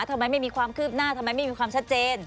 ทำไมไม่มีความคืบหน้าทำไมไม่มีความชัดเจน